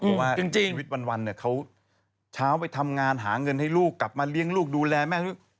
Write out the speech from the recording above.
เพราะว่าชีวิตวันเนี่ยเขาเช้าไปทำงานหาเงินให้ลูกกลับมาเลี้ยงลูกดูแลแม่ลูก